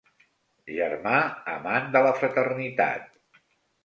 Germà amant de la fraternitat.